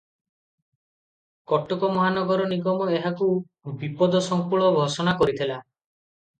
କଟକ ମହାନଗର ନିଗମ ଏହାକୁ ବିପଦସଂକୁଳ ଘୋଷଣା କରିଥିଲା ।